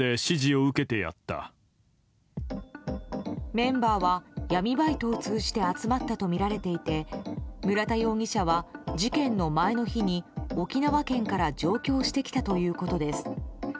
メンバーは闇バイトを通じて集まったとみられていて村田容疑者は事件の前の日に沖縄県から上京してきたということです。